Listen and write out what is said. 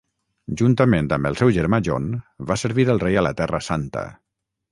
Juntament amb el seu germà John van servir el rei a la Terra Santa.